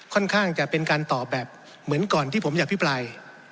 จะเป็นการตอบแบบเหมือนก่อนที่ผมอภิปราย